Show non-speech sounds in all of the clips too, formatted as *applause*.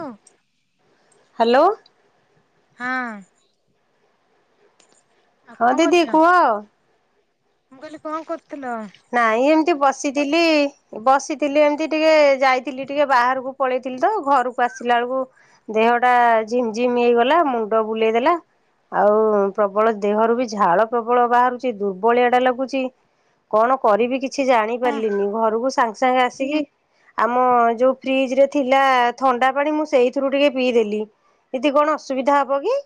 Hello hello. ହଁ। ହଁ କଣ ଦିଦି କରୁଥିଲ? କୁହ? ମୁଁ କହିଲି କଣ କରୁଥିଲ? ନାଇଁ ଏମିତି ବସିଥିଲି। ବସିଥିଲି ଏମିତି ଟିକେ ଯାଇଥିଲି ଟିକେ ବାହାରକୁ ପଳେଇଥିଲି ତ ଘରକୁ ଆସିଲା ବେଳକୁ ଦେହଟା ଝିମ୍ ଝିମ୍ ହେଇଗଲା ମୁଣ୍ଡ ବୁଲେଇ ଦେଲା। ଆଉ ପ୍ରବଳ ଦେହରୁ ବି ଝାଳ ପ୍ରବଳ ବାହାରୁଛି ଦୁର୍ବଳିଆଟା ଲାଗୁଛି। କଣ କରିବି କିଛି ଜାଣି ନାଇଁ ପାରିଲିନି ଘରକୁ ସାଙ୍ଗେ ସାଙ୍ଗେ ଆସିକି। ଆମ ଯୋଉ ଫ୍ରିଜରେ ଥିଲା ଥଣ୍ଡା ପାଣି ମୁଁ ସେଇଥିରୁ ଟିକେ ପିଇଦେଲି। ଦିଦି କଣ ଅସୁବିଧା ହବ କି?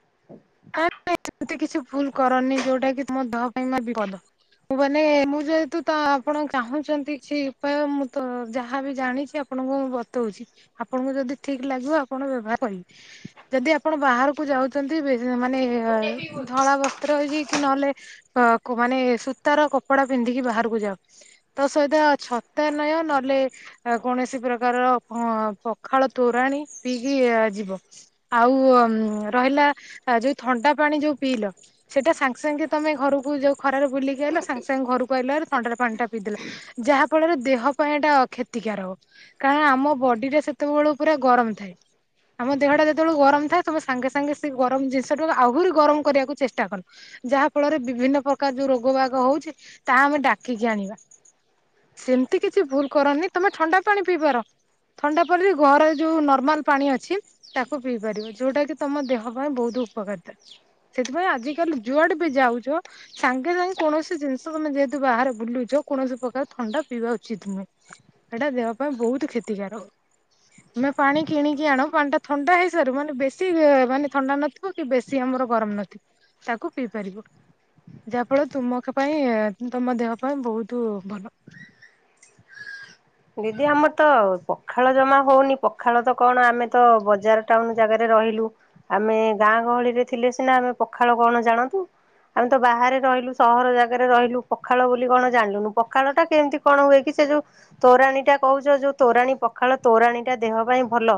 *inaudible* ଏମିତି କିଛି ଭୁଲ କରନି ଯୋଉଟା କି ତୁମ ଦେହ ପାଇଁ ବିପଦ। ମୁଁ ମାନେ ମୁଁ ଯେହେତୁ ତ ଆପଣ ଚାହୁଁଛନ୍ତି କିଛି ଉପାୟ ମୁଁ ତ ଯାହାବି ଜାଣିଛି ଆପଣଙ୍କୁ ମୁଁ ବତଉଛି ଆପଣଙ୍କୁ ଯଦି ଠିକ ଲାଗିବ ଆପଣ ବ୍ୟବହାର କରିବେ। ଯଦି ଆପଣ ବାହାରକୁ ଯାଉଛନ୍ତି ମାନେ ଧଳା ବସ୍ ବସ୍ତ୍ର ପିନ୍ଧିକି କି ନହେଲେ ମାନେ ସୂତାର କପଡା ପିନ୍ଧିକି ବାହାରକୁ ଯାାଉ। ତା ସହିତ ଛତା ନୟ ନଲେ କୌଣସି ପ୍ରକାର ପଖାଳ ତୋରାଣି ପିଇକି ଯିବ। ଆଉ ରହିଲା ଯୋଉ ଥଣ୍ଡା ପାଣି ଯୋଉ ପିଇଲ ସେଇଟା ସାଙ୍ଗେ ସାଙ୍ଗେ ତମେ ଘରକୁ ଯୋଉ ଖରାରେ ବୁଲିକି ଆଇଲ ସାଙ୍ଗେ ସାଙ୍ଗେ ଘରକୁ ଆଇିଲା ପରେ ଥଣ୍ଡାରେ ପାଣିଟା ପିଇଦେଲ। ଯାହା ଫଳରେ ଦେହ ପାଇଁ ଏଇଟା କ୍ଷତିକାର ହବ। କା ଆମ ବଡିଟା ସେତେବେଳୁ ପୁରା ଗରମ ଥାଏ। ଆମ ଦେହଟା ଯେତେବେଳୁ ଗରମ ଥାଏ, ତମେ ସାଙ୍ଗେ ସାଙ୍ଗେ ସେ ତମ ଜିନିଷଟାକୁ ଆହୁରି ଗରମ କରିବାକୁ ଚେଷ୍ଟା କଲ। ଯାହା ଫଳରେ ବିଭିନ୍ନ ପ୍ରକାର ଯୋଉ ରୋଗ ବାଗ ହଉଛି, ତାହା ଆମେ ଡାକିକି ଆଣିବା। ସେମିତି କିଛି ଭୁଲ କରନି ତମେ ଥଣ୍ଡା ପାଣି ପିଇପାର। ଥଣ୍ଡା ପରେ ବି ଘର ଯୋଉ ନର୍ମାଲ ପାଣି ଅଛି ତାକୁ ପିଇପାରିବ ଯେଉଟା କିି ତମ ଦେହ ପାଇଁ ବହୁତ ଉପକାରିତା, ସେଥିପାଇଁ ଆଜିିକାଲି ଯୁଆଡେ ବି ଯାଉଛ ସାଙ୍ଗେରେ ରହି କୌଣସି ଜିନିଷ ତମେ ଯେହେତୁ ବାହାରେ ବୁଲୁଛ, କୌଣସି ପ୍ରକାର ଥଣ୍ଡା ପିଇବା ଉଚିତ ନୁହେଁ। ଏଇଟା ଦେହ ପାଇଁ ବହୁତ କ୍ଷତିକାର। ତମେ ପାଣି କିଣିକି ଆଣ ପାଣି ଟା ଥଣ୍ଡା ହେଇସାରୁ ମାନେ ବେଶୀ ମାନେ ଥଣ୍ଡା ନଥିବ କି, ବେଶୀ ଆମର ଗରମ ନଥିବ, ତାକୁ ପିଇ ପାରିବ। ଯାହା ଫଳରେ ତୁମ ପାଇଁ ତମ ଦେହ ପାଇଁ ବହୁତ ଭଲ। ଦିଦି ଆମର ତ ପଖାଳ ଜମା ହଉନି, ପଖାଳ ତ କଣ ଆମେ ତ ବଜାର ଟାଉନ ଜାଗାରେ ରହିଲୁ। ଆମେ ଗାଁ ଗହଳି ରେ ଥିଲେ ସିନା ଆମେ ପଖାଳ କଣ ଜାଣନ୍ତୁ? ଆମେ ତ ବାହାରେ ରହିଲୁ ସହର ଜାଗାରେ ରହିଲୁ ପଖାଳ ବୋଲି କଣ ଜାଣିଲୁନୁ ପଖାଳ ଟା କେମିତି କଣ ହୁଏ କି ସେ ଯୋଉ ତୋରାଣୀ ଟା କହୁଛ, ଯୋଉ ତୋରାଣୀ ପଖାଳ ତୋରାଣୀ ଟା ଦେହ ପାଇଁ ଭଲ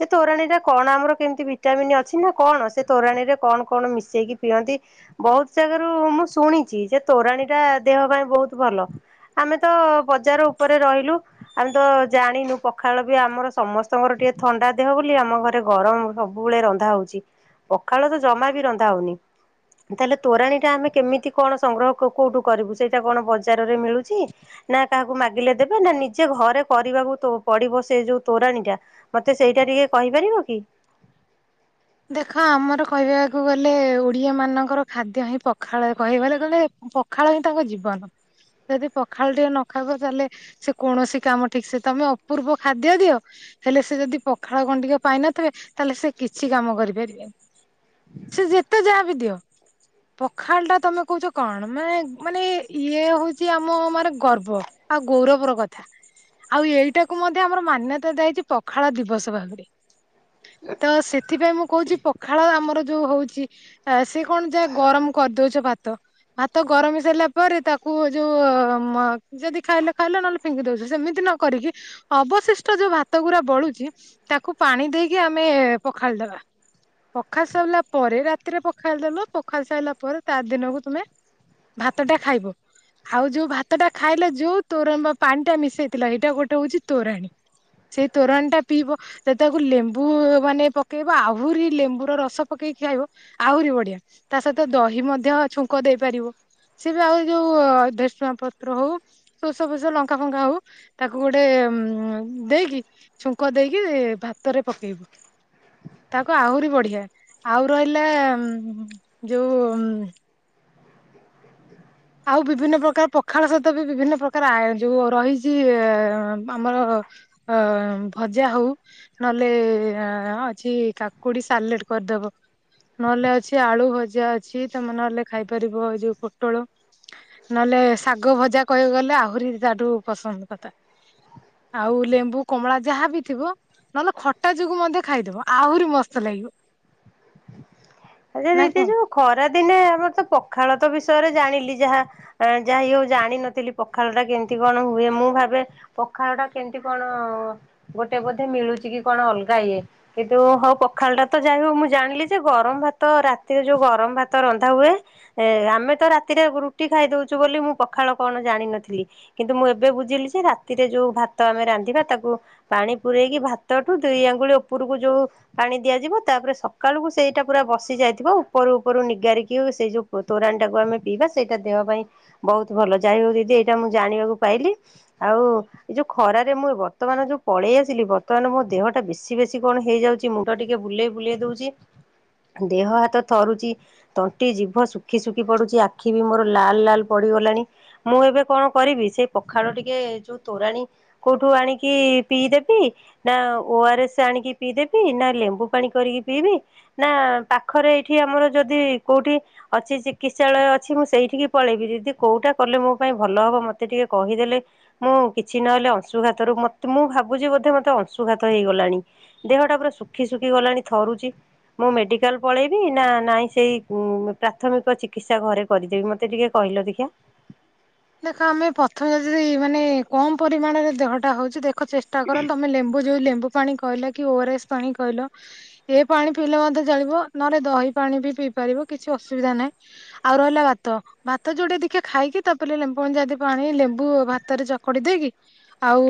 ସେ ତୋରାଣୀରେ କଣ ଆମର କେମିତି ଭିଟାମିନ୍ ଅଛି ନା କଣ, ସେ ତୋରାଣୀ ରେ କଣ କଣ ମିଶେଇକି ପିଅନ୍ତି? ବହୁତ ଜାଗାରୁ ମୁଁ ଶୁଣିଛି ଯେ ତୋରାଣୀ ଟା ଦେହ ପାଇଁ ବହୁତ ଭଲ। ଆମେ ତ ବଜାର ଉପରେ ରହିଲୁ। ଆମେ ତ ଜାଣିନୁ ପଖାଳ ବି ଆମର ସମସ୍ତଙ୍କର ଟିକେ ଥଣ୍ଡା ଦେହ ବୋଲି ଆମ ଘରେ ଗରମ ସବୁ ସବୁବେଳେ ରନ୍ଧା ହଉଛି ପଖାଳ ତ ଜମା ବି ରନ୍ଧା ହଉନି। ତାହେଲେ ତୋରାଣୀ ଟା ଆମେ କେମିତି କଣ ସଂଗ୍ରହ କୋଉଠୁ କରିବୁ ସେଇଟା କଣ ବଜାରରେ ମିଳୁଛି? ନା କାହାକୁ ମାଗିଲେ ଦେବେ ନା ନିଜେ ଘରେ କରିବାକୁ ପଡିବ ସେ ଯୋଉ ତୋରାଣି ଟା। ମତେ ସେଇଟା ଟିକେ କହିପାରିବ କି? ଦେଖ ଆମର କହିବାକୁ ଗଲେ ଓଡିଆ ମାନଙ୍କର ଖାଦ୍ୟ ହିଁ ପଖାଳ, କହିବା ଗଲେ ପଖାଳ ହିଁ ତାଙ୍କ ଜୀବନ, ଯଦି ପଖାଳ ଟିକେ ନ ଖାଇବ ତାହେଲେ ସେ କୌଣସି କାମ ଠିକ ସେ, ତୋମେ ଅପୂର୍ବ ଖାଦ୍ୟ ଦିଅ ହେଲେ ସେ ଯଦି ପଖାଳ ଗଣ୍ଡିକ ପାଇନଥିବେ, ତାହେଲେ ସେ କିଛି କାମ କରିପାରିବେନି। ସେ ଯେତେ ଯାହା ବି ଦିଅ। ପଖାଳ ଟା ତୋମେ କହୁଛ କଣ ମାନେ, ମାନେ ଇଏ ହଉଛି ଆମ ଆମର ଗର୍ବ ଆଉ ଗୌରବର କଥା। ଆଉ ଏଇଟାକୁ ମଧ୍ୟ ଆମର ମାନ୍ୟତା ଦିଆହେଇଛି, ପଖାଳ ଦିବସ ଭାବରେ। ତ ସେ ଥିପାଇଁ ମୁଁ କହୁଛି ପଖାଳ ଆମର ଯୋଉ ହଉଛି, ଆ, ସେ କଣ ଯାହା ଗରମ କରିଦଉଛେ ଭାତ। ଭାତ ଗରମ ହେଇ ସାରିଲା ପରେ, ତାକୁ ଯୋଉ ମ ଯଦି ଖାଇଲେ ଖାଇଲେ ନହେଲେ ଫିଙ୍ଗି ଦଉଚୁ, ସେମିତି ନ କରିକି ଅବଶିଷ୍ଟ ଯୋଉ ଭାତ ଗୁରା ବଳୁଛି ତାକୁ ପାଣି ଦେଇକି ଆମେ ପଖାଳି ଦବା। ପଖାଳି ସାରିଲା ପରେ ରାତିରେ ପଖାଳି ଦେଲ, ପଖାଳି ସାରିଲା ପରେ, ତା ଦିନକୁ ତୁମେ ଭାତଟା ଖାଇବ। ଆଉ ଯୋଉ ଭାତ ଟା ଖାଇଲ, ଯୋଉ ତୋରମ୍ବ ପାଣି ଟା ମିଶେଇଥିଲ, ଏଇଟା ଗୋଟେ ହଉଛି ତୋରାଣୀ। ସେଇ ତୋରାଣୀ ଟା ପିଇବ, ସେ ତାକୁ ଲେମ୍ବୁ ମାନେ ପକେଇବ, ଆହୁରି ଲେମ୍ବୁର ର ରସ ପକେଇକି ଖିଆଇବ ଆହୁରି ବଢିଆ। ତା ସହିତ ଦହି ମଧ୍ୟ ଛୁଙ୍କ ଦେଇପାରିବ। ସେ ବି ଆଉ ଯୋଉ ଧେଶୁଆଁ ପତ୍ର ହଉ। ଶୋଷ ଫୋସ ଲଙ୍କା ଫଙ୍କା ହଉ ତାକୁ ଗୋଟେ ଉଁ, ଦେଇକି ଛୁଙ୍କ ଦେଇକି ଭାତରେ ପକେଇବୁ। ତାକୁ ଆହୁରି ବଢିଆ ଆଉ ରହିଲା ଉଁ, ଯୋଉ ଉଁ, ଆଉ ବିଭିନ୍ନ ପ୍ରକାର ପଖାଳ ସହିତ ବି ବିଭିନ୍ନ ପ୍ରକାର ଆ, ଯୋଉ ରହିଛି ଅ, ଆମର ଅ, ଭଜା ହଉ ନଲେ ଅ, ହଁ ଅଛି କାକୁଡି ସାଲେଟ୍ କରିଦବ। ନଲେ ଅଛି ଆଳୁ ଭଜା ଅଛି ତୋମେ ନହେଲେ ଖାଇପାରିବ ଏଇ ଯୋଉ ପୋଟଳ। ନହେଲେ ଶାଗ ଭଜା କହିବାକୁ ଗଲେ ଆହୁରି ତାଠୁ ପସନ୍ଦ କଥା। ଆଉ ଲେମ୍ବୁ କମଳା ଯାହାବି ଥିବ ନହେଲେ ଖଟା ଯୋଗୁ ମଧ୍ୟ ଖାଇଦବ ଆହୁରି ମସ୍ତ ଲାଗିବ। ଆଚ୍ଛା ନା ଦିଦି କଣ? ଯୋଉ ଖରା ଦିନେ ଆମର ତ ପଖାଳ ତ ବିଷୟରେ ଜାଣିଲି, ଯାହା ଅ, ଯା ଇଏ ହଉ ଜାଣିିନଥିଲି ପଖାଳଟା କେମିତି କଣ ହୁଏ, ମୁଁ ଭାବେ ପଖାଳଟା କେମିତି କଣ ଗୋଟେ ବୋଧେ ମିଳୁଚି କି କଣ ଅଲଗା ଇଏ। କିତୁ ହଉ ପଖାଳଟା ତ ଯାଇ ହଉ ମୁଁ ଜାଣିଲି ଯେ, ଗରମ ଭା ତ ରାତିରେ ଯୋଉ ଗରମ ଭାତ ରନ୍ଧା ହୁଏ। ଏ ଆମେ ତ ରାତିରେ ରୁଟି ଖାଇଦଉଛୁ ବୋଲି ମୁଁ ପଖାଳ କଣ ଜାଣିନଥିଲି। କିନ୍ତୁ ମୁଁ ଏବେ ବୁଝିଲି ଯେ ରାତିରେ ଯୋଉ ଭାତ ଆମେ ରାନ୍ଧିବା ତାକୁ ପାଣି ପୂରେଇକି ଭାତଠୁ ଦି ଆଙ୍ଗୁଳି ଉପୁରୁକୁ ଯୋଉ ପାଣି ଦିଆଯିବ ତାପରେ ସକାଳୁକୁ ସେଇଟା ପୁରା ବସ ସି ଯାଇଥିବ ଉପରୁ ଉପରୁ ନିଗାରିକି ସେଇ ଯୋଉ ତୋ- ତୋରାଣୀଟାକୁ ଆମେ ପିଇବା ସେଇଟା ଦେହ ପାଇଁ ବହୁତ ଭଲ, ଯାଇ ହଉ ଦିଦି ଏଇଟା ମୁଁ ଜାଣିବାକୁ ପାଇଲି ଆଉ ଏଇ ଯୋଉ ଖରାରେ ମୁଁ ଏ ବର୍ତ୍ତମାନ ଯୋଉ ପଳେଇ ଆସିଲି, ବର୍ତ୍ତମାନ ମୋ ଦେହଟା ବେଶୀ ବେଶୀ କଣ ହେଇଯାଉ ଚି ମୁଣ୍ଡ ଟିକେ ବୁଲେଇ ବୁଲେଇ ଦଉଚି। ଦେହ ହାତ ଥରୁଚି। ତଣ୍ଟି ଜିଭ ଶୁଖି ଶୁଖି ପଡୁଛି ଆଖି ବି ମୋର ଲାଲ୍ ଲାଲ୍ ପଡିଗଲାଣି। ମୁଁ ଏବେ କଣ କରିବି ସେଇ ପଖାଳ ଟିକେ ଯୋଉ ତୋରାଣୀ କୋଉଠୁ ଆଣିକି ପିଇଦେବି ନା ଓ ଆର ଏସ୍ ଆଣିକି ପିଇଦେବି ନା ଲେମ୍ବୁ ପାଣି କରିକି ପିଇବି ନା ପାଖରେ ଏଇଠି ଆମର ଯଦି କୋଉଠି ଅଛି ଚିକିତ୍ସାଳୟ ଅଛି ମୁଁ ସେଇଠିକି ପଳେଇବି ଦିଦି କୋଉଟା କଲେ ମୋ ପାଇଁ ଭଲ ହବ ମୋତେ ଟିକେ କହିଦେଲେ ମୁଁ କିଛି ନହେଲେ ଅଂଶୁଘାତରୁ ମତ ମୁଁ ଭାବୁଛି ବୋଧେ ମତେ ଅଂଶୁଘାତ ହେଇଗଲାଣି। ଦେହଟା ପୁରା ଶୁଖି ଶୁଖି ଗଲାଣି ଥରୁଚି ମୁ ମେଡି ମେଡିକାଲ ପଳେଇବି ନା ନାଇଁ ସେଇ ପ୍ରାଥମିକ ଚିକିତ୍ସା ଘରେ କରିଦେବି ମତେ ଟିକେ କହିଲ ଦେଖି। ଦେଖ ଆମେ ପ୍ରଥମେ ଯ ଯଦି ମାନେ କମ ପରିମାଣରେ ଦେହଟା ହଉଛି ଦେ ଦେହଟାକୁ ଚେଷ୍ଟା କର ତମେ ଲେମ୍ବୁ ଯୋଉ ଲେମ୍ବୁ ପାଣି କହିଲ କି ଓ ଆରଏସ୍ ପାଣି କହିଲ ଏ ପାଣି ପିଇଲେ ମଧ୍ୟ ଚଳିବ ନହଲେ ଦହି ପାଣି ବି ପିଇ ପାରିବ କିଛି ଅସୁବିଧା ନାହିଁ। ଆଉ ରହିଲା ଭାତ ଭାତ ଯୋଉଟେ ଦେଖେ ଖାଇକି ତା ପ ଲେ ଲେମ୍ବୁ ଯଦି ପାଣି ଲେମ୍ବୁ ଭାତରେ ଚକଟି ଦେଇକି ଆଉ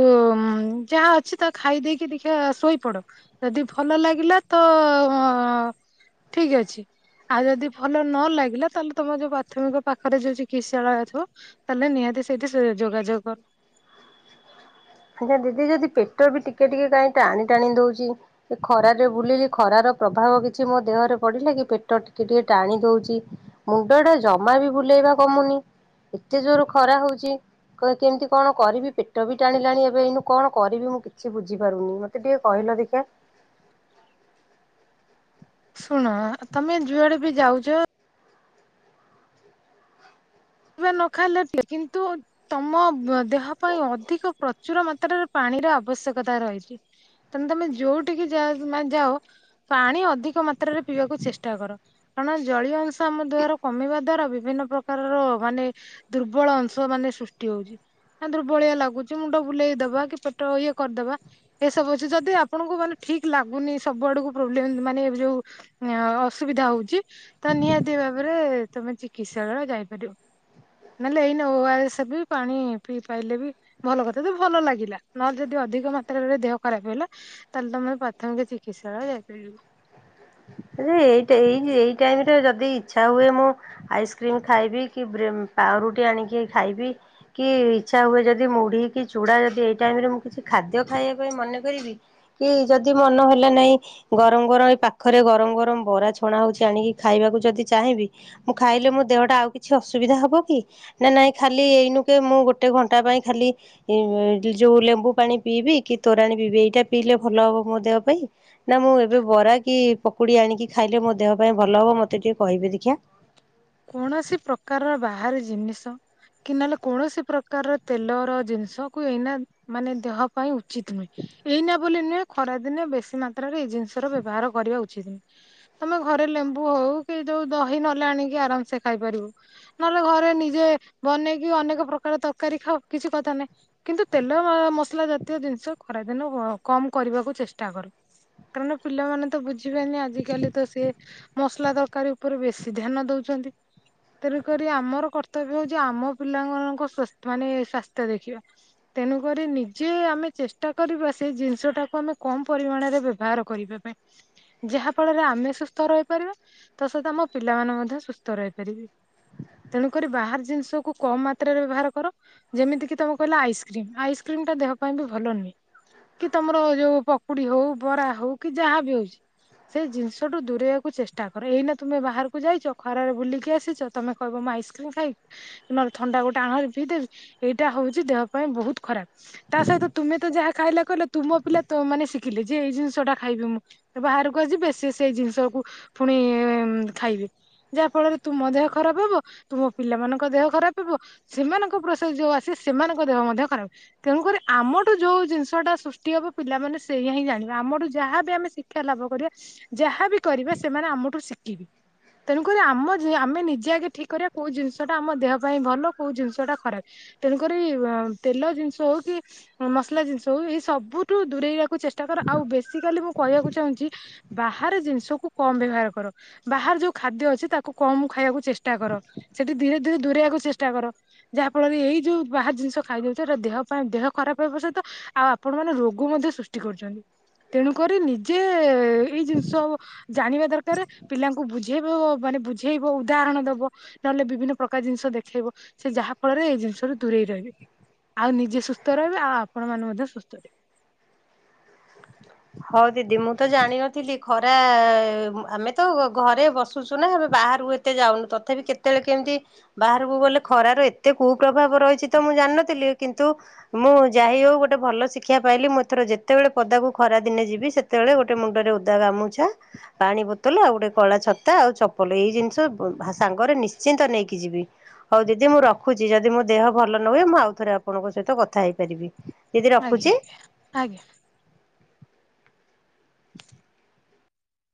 ଯାହା ଅଛି ତା ଖାଇ ଦେଇକି ଦେଖିଆ ଶୋଇପଡ଼। ଯଦି ଭଲ ଲାଗିଲା ତ ଅ ଠିକ୍ ଅଛି। ଆଉ ଯଦି ଭଲ ନ ଲାଗିଲା ତାହେଲେ ତମ ଯୋଉ ପ୍ରାଥମିକ ପାଖରେ ଯୋଉ ଚିକିତ୍ସାଳୟ ଥିବ ତାହେଲେ ନିହାତି ସେଇଠି ସେ ଯୋଗାଯୋଗ କର। ଆଜ୍ଞା ଦିଦି ଯଦି ପେଟ ବି ଟିକେ ଟିକେ କାଇଁ ଟାଣି ଟାଣି ଦଉଛି। ସେ ଖରାରେ ବୁଲିଲି ଖରାର ପ୍ରଭାବ କିଛି ମୋ ଦେହରେ ପଡିଲା କି ପେଟ ଟିକେ ଟିକେ ଟାଣି ଦଉଛି। ମୁଣ୍ଡଟା ଜମା ବି ବୁଲେଇବା କମୁନି। ଏତେ ଜୋର ଖରା ହଉଛି କ କେମିତି କଣ କରିବି ପେଟ ବି ଟାଣି ହେଲାଣି ଏବେ ଏଇନୁ କଣ କରିବି ମୁଁ କିଛି ବୁଝିପାରୁନି ମତେ ଟିକେ କହିଲ ଦେଖି। ଶୁଣ ତମେ ଯୁଆଡ଼େ ବି ଯାଉଛ ନ ଖାଇଲେ *unintelligible* କିନ୍ତୁ ତମ ଦେହ ପାଇଁ ଅଧିକ ପ୍ରଚୁର ମାତ୍ରାରେ ପାଣିର ଆବଶ୍ୟକତା ରହିଚି। ତମେ ତମେ ଯୋଉଠିକି ଯାଅ ପାଣି ଅଧିକ ମାତ୍ରରେ ପିଇବାକୁ ଚେଷ୍ଟା କର। କାରଣ ଜଳୀୟ ଅଂଶ ଆମ ଦେହରୁ କମିବା ଦ୍ଵାରା ବିଭିନ୍ନ ପ୍ରକାରର ରୋଗ ମାନେ ଦୁର୍ବଳ ଅଂଶ ମାନେ ସୃଷ୍ଟି ହଉଛି। ଦୁର୍ବଳିଆ ଲାଗୁଛି ମୁଣ୍ଡ ବୁଲେଇ ଦବା କି ପେଟ ଇଏ କରିଦବା। ଏସବୁ ଅଛି ଯଦି ଆପଣଙ୍କୁ ମାନେ ଠିକ ଲାଗୁନି ସବୁ ଆଡ଼କୁ ପ୍ରୋବ୍ଲେମ୍ ମାନେ ଯୋଉ ଅସୁବିଧା ହଉଚି ତ ନିହାତି ଭାବରେ ତମେ ଚିକିତ୍ସାଳୟ ଯାଇପାରିବ। ନଲେ ଏଇନେ ଓ ଅର୍ ସେ ବି ପାଣି ପିଇ ପାଇଲେ ବି ଭଲ କଥା ତ ଭଲ ଲାଗିଲା ନହଲେ ଯଦି ଅଧିକ ମାତ୍ରାରେ ଦେହ ଖରାପ ହେଲା ତାହାଲେ ତମେ ପ୍ରାଥମିକ ଚିକିତ୍ସାଳୟ ଯାଇପାରିବ। ଏଇ ଟା ଏଇ ଏଇ ଟାଇମରେ ଯଦି ଇଛା ହୁଏ ମୁଁ ଆଇସକ୍ରିମ ଖାଇବି କି ବ୍ରି ପାଉରୁଟି ଆଣିକି ଖାଇବି। କି ଇଛା ହୁଏ ଯଦି ମୁଢ଼ି କି ଚୁଡ଼ା ଯଦି ଏଇ ଟାଇମରେ ମୁଁ କିଛି ଖାଦ୍ୟ ଖାଇବା ପାଇଁ ମନେ କରିବି, କି ଯଦି ମନ ହେଲା ନାଇଁ ଗରମ ଗରମ ଏଇ ପାଖରେ ଗରମ ଗରମ୍ ବରା ଛଣା ହଉଚି ଆଣିକି ଖାଇବାକୁ ଯଦି ଚାହିଁବି, ମୁଁ ଖାଇଲେ ମୋ ଦେହଟା ଆଉ କିଛି ଅସୁବିଧା ହବ କି? ନା ନାଇଁ ଖାଲି ଏଇନୁ କେ ମୁଁ ଗୋଟେ ଘଣ୍ଟା ପାଇଁ ଖାଲି ଯୋଉ ଲେମ୍ବୁ ପାଣି ପିଇବି କି ତୋରାଣି ପିଇବି ଏଇଟା ପିଇଲେ ଭଲ ହବ ମୋ ଦେହ ପାଇଁ। ନା ମୁଁ ଏବେ ବରା କି ପକୁଡ଼ି ଆଣିକି ଖାଇଲେ ମୋ ଦେହ ପାଇଁ ଭଲ ହବ ମୋତେ ଟିକେ କହିବେ ଦେଖିଆ। କୌଣସି ପ୍ରକାରର ବାହାରି ଜିନିଷ କି ନହଲେ କୌଣସି ପ୍ରକାରର ତେଲର ଜିନଷକୁ ଏଇନା ମାନେ ଦେହ ପାଇଁ ଉଚିତ ନୁହେଁ। ଏଇନା ବୋଲି ନୁହେଁ ଖରା ଦିନେ ବେଶୀ ମାତ୍ରାରେ ଏଇ ଜିନଷ ର ବ୍ୟବହାର କରିବା ଉଚିତ। ତମେ ଘରେ ଲେମ୍ବୁ ହଉ କି ଯୋଉ ଦହି ନହଲେ ଆଣିକି ଆରାମସେ ଖାଇପାରିବୁ। ନହଲେ ଘରେ ନିଜେ ବନେଇକି ଅନେକ ପ୍ରକାର ତରକାରୀ ଖାଉ କିଛି କଥା ନାଇଁ। କିନ୍ତୁ ତେଲ ମସଲା ଜାତୀୟ ଜିନିଷ ଖରାଦିନ କମ କରିବାକୁ ଚେଷ୍ଟା କରୁ। କାରଣ ପିଲାମାନେ ତ ବୁଝିବେନି ଆଜିକାଲି ତ ସିଏ ମସଲା ତରକାରୀ ଉପରେ ବେଶୀ ଧ୍ୟାନ ଦଉଚନ୍ତି। ତେରୁକରି ଆମର କର୍ତ୍ତବ୍ୟ ହଉଚି ଆମ ପିଲାମାନାନଙ୍କ ମାନେ ସ୍ଵାସ୍ଥ୍ୟ ଦେଖିବା। ତେଣୁକରି ନିଜେ ଆମେ ଚେଷ୍ଟା କରିବା ସେ ଜିନିଷ ଟାକୁ ଆମେ କମ ପରିମାଣରେ ବାହାର କରିବା ପାଇଁ। ଯାହା ଫଳରେ ଆମେ ସୁସ୍ଥ ରହିପାରିବା ତା ସହିତ ଆମ ପିଲାମାନେ ମଧ୍ୟ ସୁସ୍ଥ ରହିପାରିବେ। ତେଣୁକରି ବାହାର ଜିନଷକୁୁ କମ ମାତ୍ରାରେ ବ୍ୟବହାର କର। ଯେମିତି କିି ତମେ କହିଲ ଆଇସକ୍ରିମ୍ ଆଇସକ୍ରିମ୍ ଟା ଦେହ ପାଇଁ ବି ଭଲ ନୁହେଁ। କି ତମର ଯୋଉ ପକୁଡି ହଉ ବରା ହଉ କି ଯାହା ବି ହଉଚି। ସେଇ ଜିନଷଠୁ ଦୂରେଇବାକୁ ଚେଷ୍ଟା କର ଏଇନା ତୁମେ ବାହାରକୁ ଯାଇଚ ଖରାରେ ବୁଲିକି ଆସିଚ ତମେ କହିବ ମୁଁ ଆଇସକ୍ରିମ୍ ଖାଇବି ନହେଲେ ଥଣ୍ଡା ଗୋଟେ ଆଣ ହେରି ପିଇଦେବି ଏଇଟା ହଉଚି ଦେହ ପାଇଁ ବହୁତ ଖରାପ। ତା ସହିତ ତୁମେ ତ ଯାହା ଖାଇଲ କହିଲ ତୁମ ପିଲା ମାନେ ଶିଖିଲେ ଯେ ଏଇ ଜିନଷ ଟା ଖାଇବି ମୁଁ। ବାହାରକୁ ଆଜି ଯିବେ ସିଏ ସେଇ ଜିନଷକୁ ପୁଣି ଖାଇବି। ଯାହା ଫଳରେ ତୁମ ଦେହ ଖରାପ ହବ ତୁମ ପିଲାମାନଙ୍କ ଦେହ ଖରାପ ହବ। ସେମାନଙ୍କ ପ୍ରୋସେସ ଯୋଉ ଆସି ସେମାନଙ୍କ ଦେହ ମଧ୍ୟ ଖରାପ। ତେଣୁକରି ଆମଠୁ ଯୋଉ ଜିନିଷ ଟା ସୃଷ୍ଟି ହବ ପିଲାମାନେ ସେଇଆ ହିଁ ଜାଣିବେ ଆମଠୁ ଯାହାବି ଆମେ ସି ଶିକ୍ଷା ଲାଭ କରିବା ଯାହାବି କରିବା ସେମାନେ ଆମଠୁ ଶିଖିବେ। ତେଣୁକରି ଆମ ଆମେ ନିଜେ ଆଗେ ଠିକ କରିବା କୋଉ ଜିନଷଟା ଆମ ଦେହ ପାଇଁ ଭଲ କୋଉ ଜିନଷଟା ଖରାପ। ତେଣୁକରି ତେଲ ଜିନିଷ ହଉ କି। ମସଲା ଜିନିଷ ହଉ ଏଇ ସବୁଠୁ ଦୂରେଇବାକୁ ଚେଷ୍ଟା କର ଆଉ ବେସିକାଲି ମୁଁ କହିବାକୁ ଚାହୁଁଚି। ବାହାରି ଜିନଷ କୁ କମ ବ୍ୟବହାର କର ବାହାର ଯୋଉ ଖାଦ୍ୟ ଅଛି ତାକୁ କମ ଖାଇବାକୁ ଚେଷ୍ଟା କର ସେଠି ଧୀରେ ଧୀରେ ଦୂରେଇବାକୁ ଚେଷ୍ଟା କର। ଯାହା ଫଳରେ ଏଇ ଯୋଉ ବାହାର ଜିନିଷ ଖାଇଦେଉଛି ଏଇଟା ଦେହ ପାଇଁ ଦେହ ଖରାପ ହେବା ସହିତ ଆଉ ଆପଣ ମାନେ ରୋଗ ମଧ୍ୟ ସୃଷ୍ଟି କରୁଛନ୍ତି ତେଣୁ କରି ନିଜେ ଏଇ ଜିନିଷ ଜାଣିବା ଦରକାର ପିଲାଙ୍କୁ ବୁ ବୁଝେଇବ ମାନେ ବୁଝେଇବ ଉଦାହରଣ ଦବ ନହେଲେ ବିଭିନ୍ନ ପ୍ରକାର ଜିନିଷ ଦେଖେଇବ ସେ ଯାହା ଫଳରେ ଏଇ ଜିନିଷଠୁ ଦୂରେଇ ରହିବେ ଆଉ ନିଜେ ସୁସ୍ଥ ରହିବେ ଆଉ ଆପଣ ମାନେ ମଧ୍ୟ ସୁସ୍ଥ ରହିବେ ହଉ ଦିଦି ମୁଁ ତ ଜାଣିନଥିଲି ଖରା ଆମେ ତ ଘରେ ବସୁଛୁ ନା ଆମେ ବାହାରୁ ଏତେ ଯାଉନୁ ତଥାପି କେତେବେଳେ କେମିତି ବାହାରକୁ ଗଲେ ଖରାର ଏତେ କୁପ୍ରଭାବ ରହିଛି ତ ମୁଁ ଜାଣିନଥିଲି କିନ୍ତୁ ମୁଁ ଯାହି ହଉ ଗୋଟେ ଭଲ ଶିକ୍ଷା ପାଇଲି ମୁଁ ଏଥର ଯେତେବେଳେ ପଦାକୁ ଖରା ଦିନେ ଯିବି ସେତେବେଳେ ଗୋଟେ ମୁଣ୍ଡରେ ଉଦା ଗାମୁଛା ପାଣି ବୋତଲ ଆଉ ଗୋଟେ କଳା ଛତା ଆଉ ଚପଲ ଏଇ ଜିନିଷ ସାଙ୍ଗରେ ନିଶ୍ଚିନ୍ତ ନେଇକି ଯିବି ହଉ ଦିଦି ମୁଁ ରଖୁଛି ଯଦି ମୋ ଦେହ ଭଲ ନ ହୁଏ ମୁଁ ଆଉ ଥରେ ଆପଣଙ୍କ ସହିତ କଥା ହେଇପାରିବି ଦିଦି ରଖୁଛି। ଆଜ୍ଞା ଆଜ୍ଞା ଆଜ୍ଞା